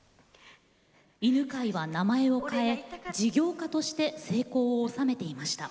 犬飼は名前を変え事業家として成功を収めていました。